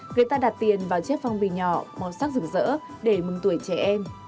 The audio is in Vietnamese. người ta đặt tiền vào chiếc phong bì nhỏ màu sắc rực rỡ để mừng tuổi trẻ em